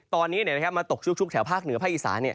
ตอนนี้มาตกชุกแถวภาคเหนือภาคอีสาน